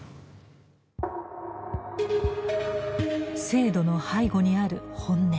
制度の背後にある本音。